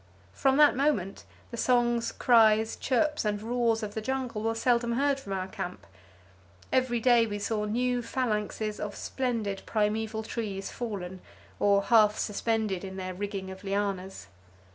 From that moment the songs, cries, chirps and roars of the jungle were seldom heard from our camp. Every day saw new phalanxes of splendid primeval trees fallen, or half suspended in their rigging of lianas.